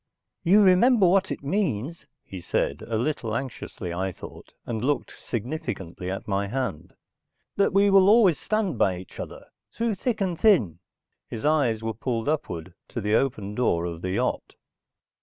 "You remember what it means," he said, a little anxiously I thought, and looked significantly at my hand. "That we will always stand by each other, through thick and thin." His eyes were pulled upward to the open door of the yacht.